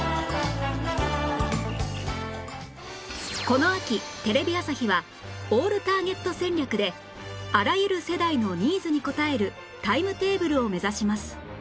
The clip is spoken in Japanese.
この秋テレビ朝日はオールターゲット戦略であらゆる世代のニーズに応えるタイムテーブルを目指します